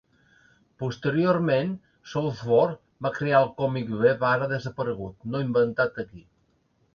Posteriorment, Southworth va crear el còmic web ara desaparegut No inventat aquí.